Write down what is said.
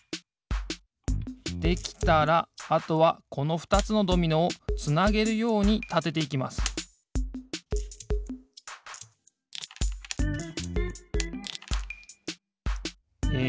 できたらあとはこのふたつのドミノをつなげるようにたてていきますえ